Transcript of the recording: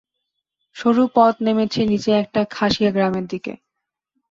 সরু পথ নেমেছে নীচে একটা খাসিয়া গ্রামের দিকে।